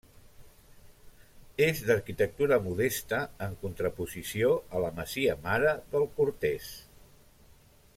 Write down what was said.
És d'arquitectura modesta en contraposició a la masia mare del Cortès.